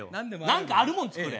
何かあるもん作れ！